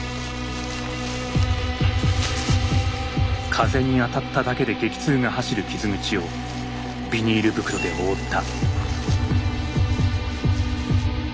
風に当たっただけで激痛が走る傷口をビニール袋で覆った。